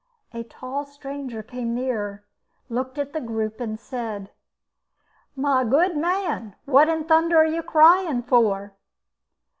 A tall stranger came near looked at the group, and said: "My good man, what in thunder are you crying for?"